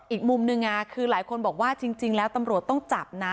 อีกมุมนึงคือหลายคนบอกว่าจริงแล้วตำรวจต้องจับนะ